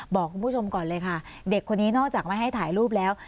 บอกคุณผู้ชมก่อนเลยค่ะเด็กคนนี้นอกจากไม่ให้ถ่ายรูปแล้ว